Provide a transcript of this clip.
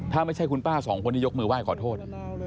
ถ้าไม่ใช่คุณป้าสองคนที่ยกมือไหว้ขอโทษ